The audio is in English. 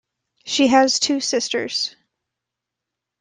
She has two sisters.